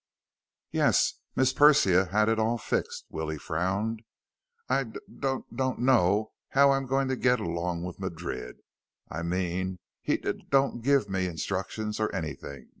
"Yes. Miss P Persia had it all fixed." Willie frowned. "I d don't know how I'm going to get along with Madrid. I mean, he d don't give me instruction or anything.